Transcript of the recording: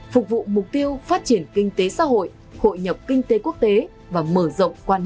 phục vụ mục tiêu phát triển kinh tế xã hội hội nhập kinh tế quốc tế và mở rộng quan hệ đối ngoại của đất nước